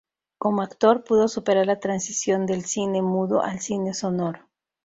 Como actor pudo superar la transición del cine mudo al cine sonoro.